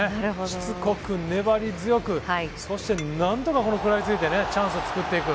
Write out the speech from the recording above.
しつこく、粘り強く、そして何とか食らいついてチャンスを作っていく。